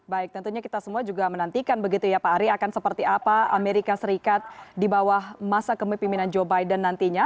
baik tentunya kita semua juga menantikan begitu ya pak ari akan seperti apa amerika serikat di bawah masa kemimpinan joe biden nantinya